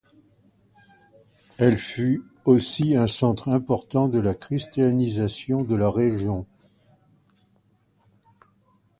Elle fut aussi un centre important de la christianisation de la région.